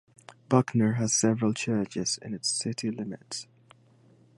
Buckner has several churches in its city limits.